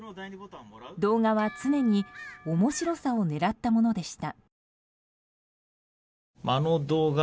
動画は常に面白さを狙ったものでした。